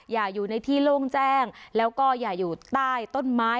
อย่าอยู่ในที่โล่งแจ้งแล้วก็อย่าอยู่ใต้ต้นไม้